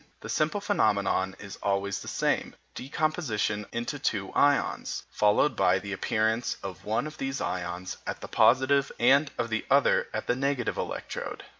The simple phenomenon is always the same decomposition into two ions, followed by the appearance of one of these ions at the positive and of the other at the negative electrode.